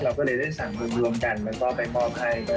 เราก็เลยได้สั่งรวมกันแล้วก็ไปมอบให้